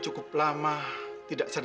dia sengaja muhammad